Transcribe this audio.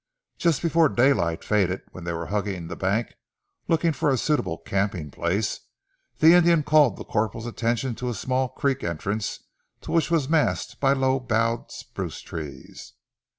Just before daylight faded, when they were hugging the bank looking for a suitable camping place, the Indian called the corporal's attention to a small creek the entrance to which was masked by low boughed spruce trees.